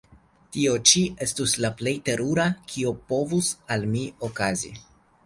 tio ĉi estus la plej terura, kio povus al mi okazi.